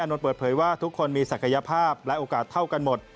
นนท์เปิดเผยว่าทุกคนมีศักยภาพและโอกาสเท่ากันหมด